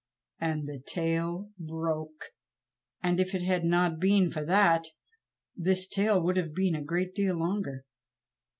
and the tail broke! and if it had not been for that this tale would have been a great deal longer.